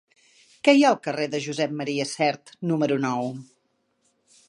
Què hi ha al carrer de Josep M. Sert número nou?